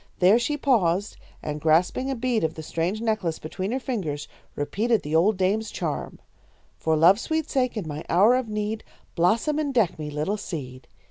There she paused, and grasping a bead of the strange necklace between her fingers, repeated the old dame's charm: "'For love's sweet sake, in my hour of need, Blossom and deck me, little seed.'